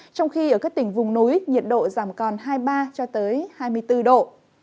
trong khi ở các tỉnh vùng núi nhiệt độ giảm còn hai mươi ba hai mươi bốn độ